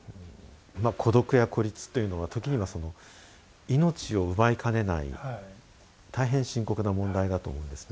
孤独や孤立というのは時には命を奪いかねない大変深刻な問題だと思うんですね。